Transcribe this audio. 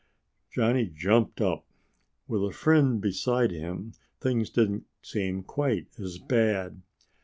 Johnny jumped up. With a friend beside him things didn't seem quite as bad.